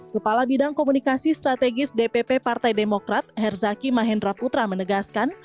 kepala bidang komunikasi strategis dpp partai demokrat herzaki mahendra putra menegaskan